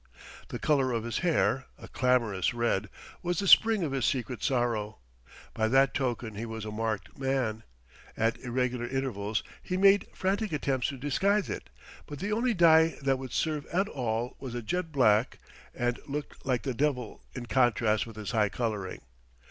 The colour of his hair, a clamorous red, was the spring of his secret sorrow. By that token he was a marked man. At irregular intervals he made frantic attempts to disguise it; but the only dye that would serve at all was a jet black and looked like the devil in contrast with his high colouring.